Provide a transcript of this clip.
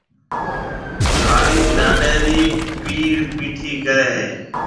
ھاݪيَ لاڏَي رِي پِيڙ پِيٺِي ڪريَ ھيََََ